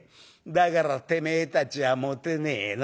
だからてめえたちはモテねえの。